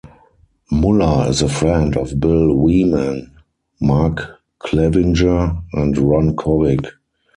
Muller is a friend of Bill Wieman, Mark Clevinger, and Ron Kovic.